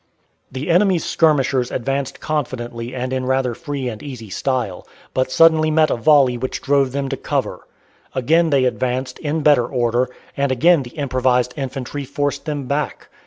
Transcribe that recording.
The enemy's skirmishers advanced confidently and in rather free and easy style, but suddenly met a volley which drove them to cover. Again they advanced, in better order, and again the improvised infantry forced them back.